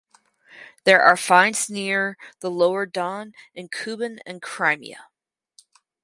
There are finds near the lower Don and in Kuban and Crimea.